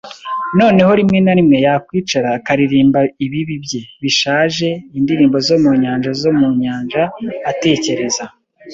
noneho rimwe na rimwe yakwicara akaririmba ibibi bye, bishaje, indirimbo zo mu nyanja zo mu nyanja, atekereza